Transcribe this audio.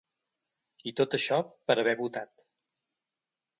I tot això per haver votat.